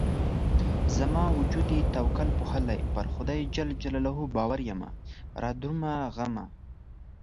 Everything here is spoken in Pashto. زما وجود يې توکل پوښلی پر خدای ج باور يمه رادرومه غمه